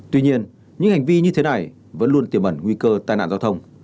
tuy nhiên những hành vi như thế này vẫn luôn tiềm ẩn nguy cơ tai nạn giao thông